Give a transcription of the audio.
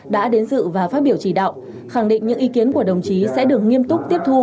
đã đến dự và phát biểu chỉ đạo khẳng định những ý kiến của đồng chí sẽ được nghiêm túc tiếp thu